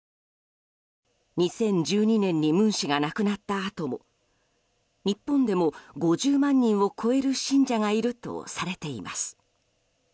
２０１２年に文氏が亡くなったあとも日本でも５０万人を超える信者がいるとされています。